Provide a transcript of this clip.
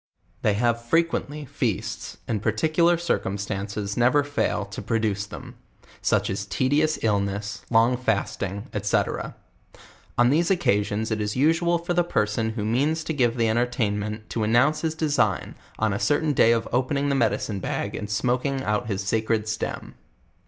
They have frequently feasts, and particular circumstances never fail to produce them; euch as a tedious illness, long fasting, &c. On these occasions it is usual for the person who means to give the entertainment, to announce his de sign, on a certain day of opening the medicine bag and emo LEWIS AND CLARKE. 113 king out his sacred stem.